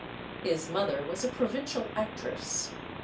His mother was a provincial actress.